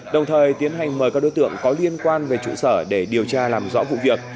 đồng thời tiến hành mời các đối tượng có liên quan về trụ sở để điều tra làm rõ vụ việc